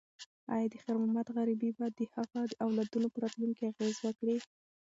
ایا د خیر محمد غریبي به د هغه د اولادونو په راتلونکي اغیز وکړي؟